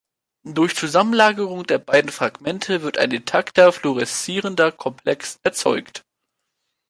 Durch Zusammenlagerung der beiden Fragmente wird ein intakter, fluoreszierender Komplex erzeugt.